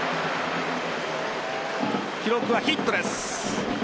記録はヒットです。